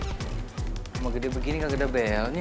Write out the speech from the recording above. emang gede begini gak gede belnya